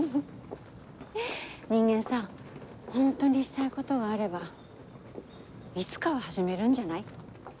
人間さほんとにしたいことがあればいつかは始めるんじゃない？